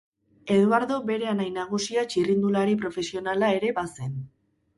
Eduardo bere anai nagusia txirrindulari profesionala ere bazen.